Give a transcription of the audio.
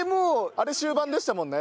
あれ終盤でしたもんね。